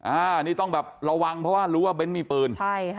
อันนี้ต้องแบบระวังเพราะว่ารู้ว่าเบ้นมีปืนใช่ค่ะ